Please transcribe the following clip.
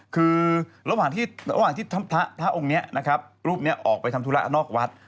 คือระหว่างที่ท้าองค์รูปนี้ออกไปทำธุรกิจนอกวัด